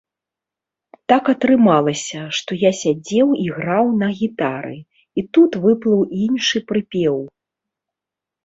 Так атрымалася, што я сядзеў і граў на гітары, і тут выплыў іншы прыпеў.